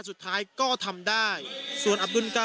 จนพบกับมารทกาล